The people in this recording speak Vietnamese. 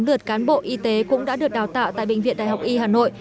ba lượt cán bộ y tế cũng đã được đào tạo tại bệnh viện đại học y hà nội